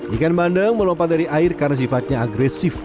ikan bandeng melompat dari air karena sifatnya agresif